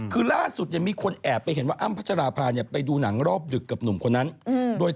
เพราะอ้ำว่าสนิทกับน้องของคุณตอส